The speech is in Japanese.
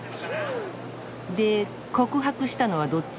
で告白したのはどっち？